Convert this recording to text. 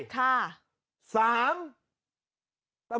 สวัสดีครับ